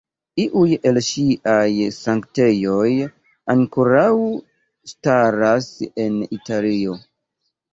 Iuj el ŝiaj sanktejoj ankoraŭ staras en Italio.